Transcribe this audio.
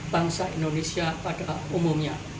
bangsa indonesia pada umumnya